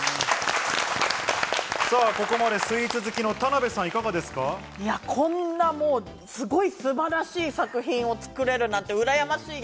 ここまでスイーツ好きの田辺こんなすごい素晴らしい作品を作れるなんてうらやましい。